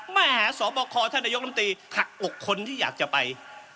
มหาสบคท่านนายกรรมตรีหักอกคนที่อยากจะไป